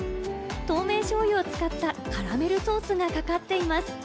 透明醤油を使ったカラメルソースがかかっています。